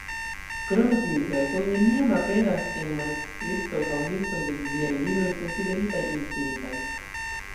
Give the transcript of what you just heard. Krome tiuj verkoj neniam aperas en manuskriptoj aŭ listoj de bibliaj libroj konsideritaj inspiritaj.